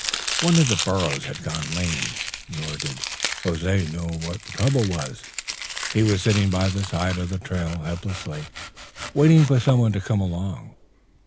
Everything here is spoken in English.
One of the burros had gone lame, nor did Jose know what the trouble was. He was sitting by the side of the trail helplessly, waiting for someone to come along.